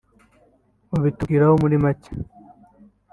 mwabitubwiraho muri make